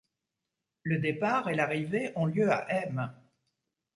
Le départ et l'arrivée ont lieu à Aime.